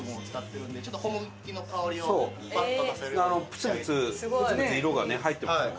プツプツプツプツ色がね入ってますもんね。